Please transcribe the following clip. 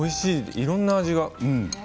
いろんな味が。